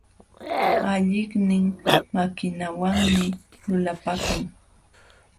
Alliqnin makinwanmi lulapakun.